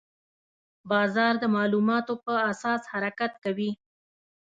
بازار د معلوماتو په اساس حرکت کوي.